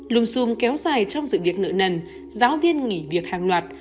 lùm xùm kéo dài trong dự việc nửa nần giáo viên nghỉ việc hàng loạt